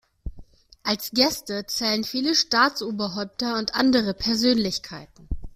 Als Gäste zählen viele Staatsoberhäupter und andere Persönlichkeiten.